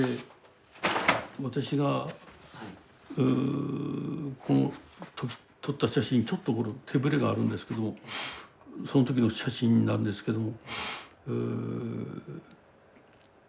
私がこの撮った写真ちょっとこれ手ブレがあるんですけどもその時の写真なんですけども。